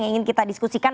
yang ingin kita diskusikan